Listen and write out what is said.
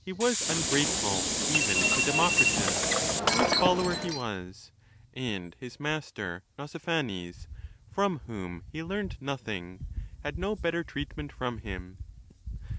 243 was ungrateful even to Democritus, whose follower he was ; and his master Nausiphanes, from whom he learned noth ing, had no better treatment from him.